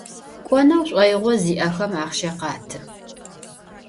K'oneu ş'oiğo zi'exem axhşe khatı.